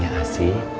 nunggu aja kan